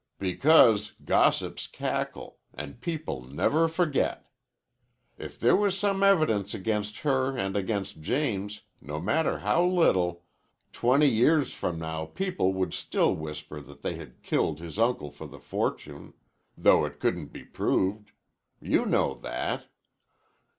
"Because gossips cackle and people never forget. If there was some evidence against her and against James no matter how little twenty years from now people would still whisper that they had killed his uncle for the fortune, though it couldn't be proved. You know that."